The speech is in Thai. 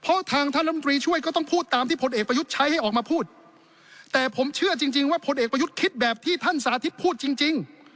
เพราะทางท่านลำตรีช่วยก็ต้องพูดตามที่พลเอกประยุทธ์ใช้ให้ออกมาพูดแต่ผมเชื่อจริงจริงว่าผลเอกประยุทธ์คิดแบบที่ท่านสาธิตพูดจริงจริง